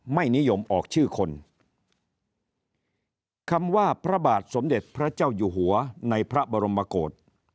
ไม่นิยมออกชื่อคนคำว่าพระบาทสมเด็จพระเจ้าอยู่หัวในพระบรมกฏ